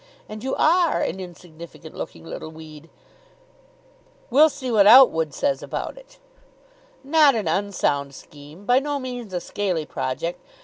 And you are an insignificant looking little weed." "We'll see what Outwood says about it." "Not an unsound scheme. By no means a scaly project.